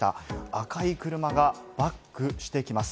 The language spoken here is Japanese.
赤い車がバックしてきます。